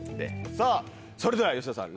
さぁそれでは吉田さん